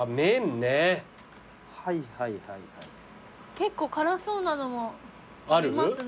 結構辛そうなのもありますね。